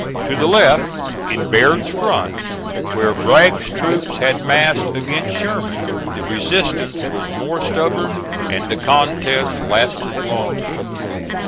To the left, in Baird's front where Bragg's troops had massed against Sherman, the resistance was more stubborn and the contest lasted longer.